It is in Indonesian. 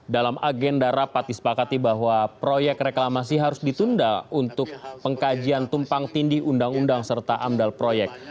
dalam agenda rapat disepakati bahwa proyek reklamasi harus ditunda untuk pengkajian tumpang tindi undang undang serta amdal proyek